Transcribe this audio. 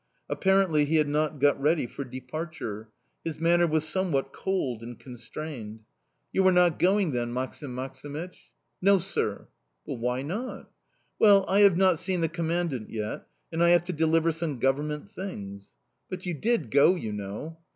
Apparently he had not got ready for departure. His manner was somewhat cold and constrained. "You are not going, then, Maksim Maksimych?" "No, sir!" "But why not?" "Well, I have not seen the Commandant yet, and I have to deliver some Government things." "But you did go, you know."